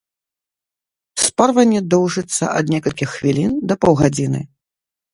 Спарванне доўжыцца ад некалькіх хвілін да паўгадзіны.